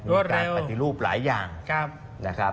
การปฏิรูปหลายอย่างนะครับ